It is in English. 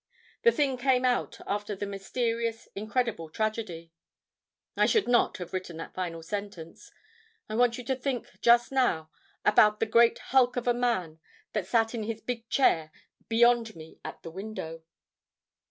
The thing came out after the mysterious, incredible tragedy. I should not have written that final sentence. I want you to think, just now, about the great hulk of a man that sat in his big chair beyond me at the window.